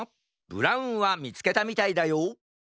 ブラウンはみつけたみたいだよ